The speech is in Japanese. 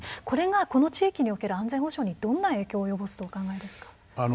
これがこの地域における安全保障にどんな影響を及ぼすとお考えですか。